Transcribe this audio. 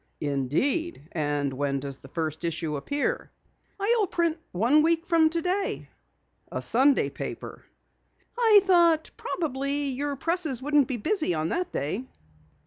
"Indeed? And when does the first issue appear?" "I'll print one week from today." "A Sunday paper?" "I thought probably your presses wouldn't be busy on that day."